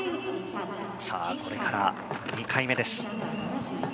これから、２回目です。